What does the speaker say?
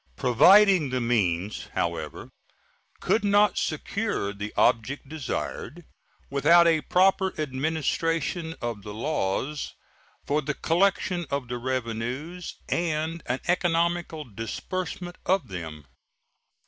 Providing the means, however, could not secure the object desired without a proper administration of the laws for the collection of the revenues and an economical disbursement of them.